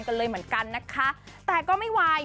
กันเลยเหมือนกันนะคะแต่ก็ไม่ไหว